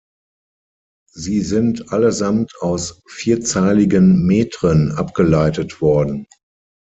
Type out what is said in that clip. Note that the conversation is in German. Sie sind allesamt aus vierzeiligen Metren abgeleitet worden.